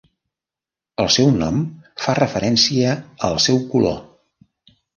El seu nom fa referència al seu color.